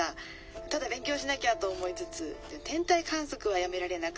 ただ勉強しなきゃと思いつつ天体観測はやめられなくて。